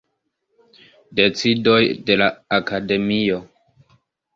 Decidoj de la Akademio.